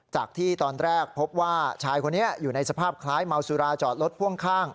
จากที่ตอนแรกพบว่าชายคนนี้อยู่ในสภาพคล้ายเมาสุราจอดรถพ่วงข้าง